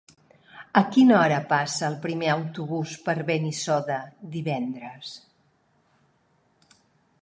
A quina hora passa el primer autobús per Benissoda divendres?